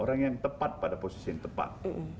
orang yang tepat pada posisi yang tepat